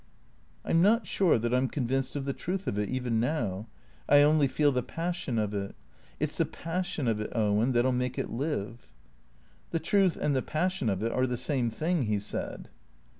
" I 'm not sure that I 'm convinced of the truth of it, even now. I only feel the passion of it. It 's the passion of it, Owen, that '11 make it live." " The truth and the passion of it are the same thing," he said.